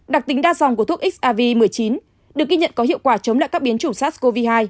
đặc tính đa dòng của thuốc xrvi một mươi chín được ghi nhận có hiệu quả chống lại các biến chủng sars cov hai